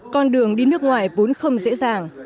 con đường đi nước ngoài vốn không dễ dàng